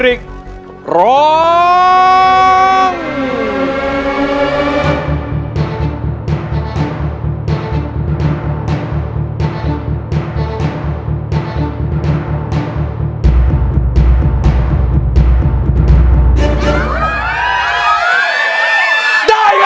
เพลงที่๕นะครับมูลค่า๘๐๐๐๐บาท